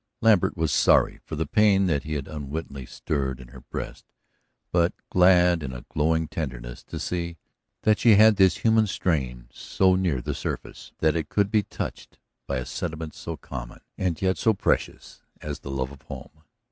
Lambert was sorry for the pain that he had unwittingly stirred in her breast, but glad in a glowing tenderness to see that she had this human strain so near the surface that it could be touched by a sentiment so common, and yet so precious, as the love of home.